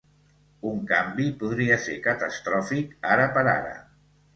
Un canvi podria ser catastròfic ara per ara.